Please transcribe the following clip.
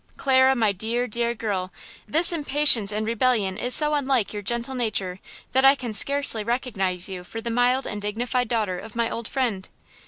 "Clara, my dear, dear girl, this impatience and rebellion is so unlike your gentle nature that I can scarcely recognize you for the mild and dignified daughter of my old friend.